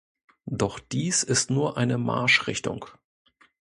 Doch dies ist nur eine Marschrichtung.